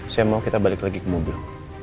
saya mau kita balik lagi ke mobil